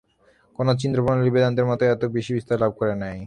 কোন চিন্তাপ্রণালী বেদান্তের মত এত বেশী বিস্তার লাভ করে নাই।